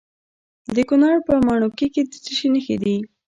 د کونړ په ماڼوګي کې د څه شي نښې دي؟